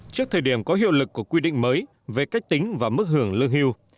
trước thời điểm có hiệu lực của quy định mới về cách tính và mức hưởng lương hưu